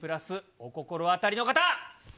お心当たりの方？